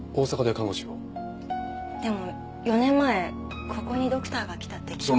でも４年前ここにドクターが来たって聞いて。